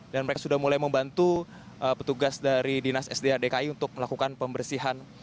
dan mereka sudah mulai membantu petugas dari dinas sda dki untuk melakukan pembersihan